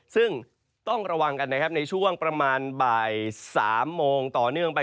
ซึ่งต้องระวังกันนะครับในช่วงประมาณบ่าย๓โมงต่อเนื่องไป